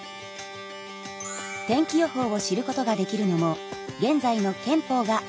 天気予報を知ることができるのも現在の憲法があるからです。